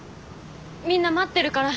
みんな待ってるから。